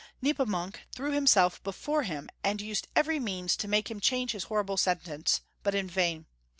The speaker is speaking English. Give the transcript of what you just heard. Ne pomuk threw himself before him, and used every means to make him change his horrible sentence, but m vain.